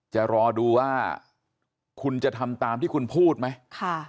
จะรอดูว่าคุณจะทำตามที่คุณพูดไหม